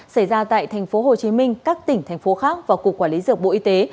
xảy ra tại tp hcm các tỉnh thành phố khác và cục quản lý dược bộ y tế